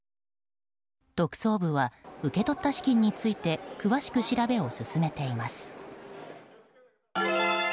特捜部は受け取った資金について詳しく調べを進めています。